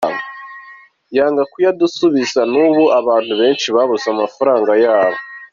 Yanga kuyadusubiza n’ubu abantu benshi babuze amafaranga yabo.